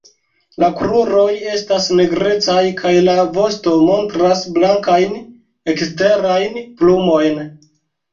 La kruroj estas nigrecaj kaj la vosto montras blankajn eksterajn plumojn.